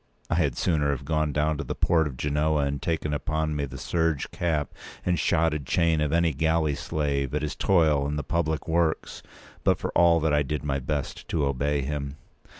I had sooner have gone down to the port of Genoa and taken upon me the serge cap and shotted chain p. 207of any galley slave at his toil in the public works; but for all that I did my best to obey him.